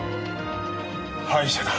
歯医者だ！